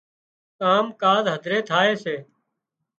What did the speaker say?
ڪام ڪاز هڌري ٿائي سي